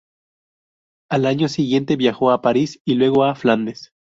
Al año siguiente viajó a París y luego a Flandes.